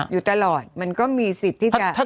อยู่ตลอดมันก็มีสิทธิกาย